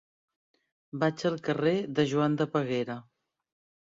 Vaig al carrer de Joan de Peguera.